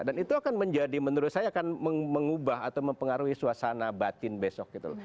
dan itu akan menjadi menurut saya akan mengubah atau mempengaruhi suasana batin besok gitu loh